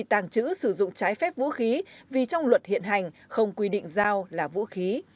tàng trữ sử dụng trái phép vũ khí vì trong luật hiện hành không quy định dao là vũ khí